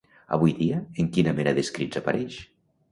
Avui dia, en quina mena d'escrits apareix?